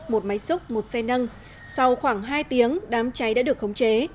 một máy xúc một xe nâng sau khoảng hai tiếng đám cháy đã được khống chế